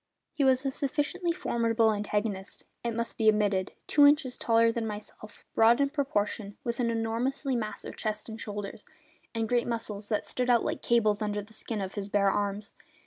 He was a sufficiently formidable antagonist, it must be admitted; two inches taller than myself, broad in proportion, with an enormously massive chest and shoulders, and great muscles that stood out like cables under the skin of his bare arms.